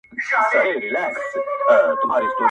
یو څه یاران یو څه غونچې ووینو!.